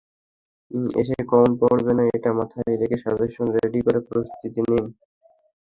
এসে কমন পড়বে না, এটা মাথায় রেখে সাজেশন রেডি করে প্রস্তুতি নিন।